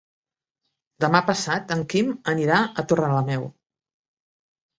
Demà passat en Quim anirà a Torrelameu.